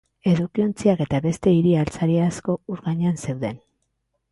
Edukiontziak eta beste hiri-altzari asko ur gainean zeuden.